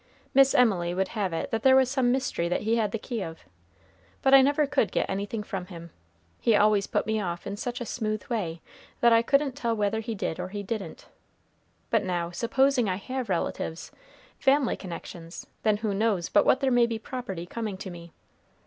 Miss Emily would have it that there was some mystery that he had the key of; but I never could get any thing from him. He always put me off in such a smooth way that I couldn't tell whether he did or he didn't. But, now, supposing I have relatives, family connections, then who knows but what there may be property coming to me?